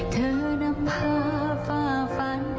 เธอนักภาพฟ้าฝัน